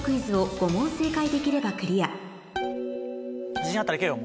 自信あったらいけよ。